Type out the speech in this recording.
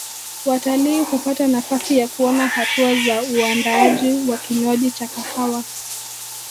Watalii hupata nafasi ya kuona hatua za uandaaji wa kinywaji cha kahawa